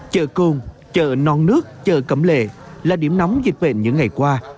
chợ côn chợ non nước chợ cẩm lề là điểm nóng dịch bệnh những ngày qua